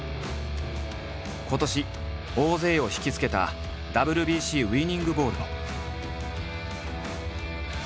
今年大勢を引きつけたＷＢＣウイニングボールも。